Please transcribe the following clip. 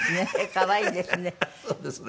可愛いですね。